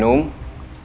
di kamar tamu raff